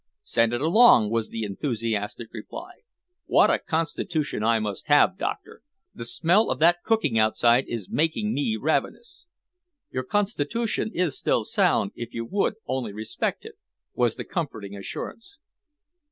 "Send it along," was the enthusiastic reply. "What a constitution I must have, doctor! The smell of that cooking outside is making me ravenous." "Your constitution is still sound if you would only respect it," was the comforting assurance.